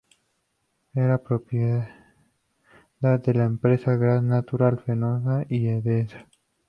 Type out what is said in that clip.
Era propiedad de las empresas Gas Natural Fenosa y Endesa.